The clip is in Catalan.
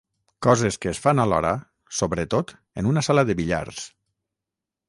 Coses que es fan alhora, sobretot en una sala de billars.